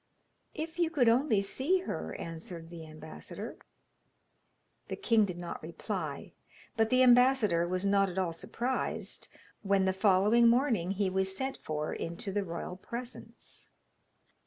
'If you could only see her,' answered the ambassador. The king did not reply, but the ambassador was not at all surprised when, the following morning, he was sent for into the royal presence.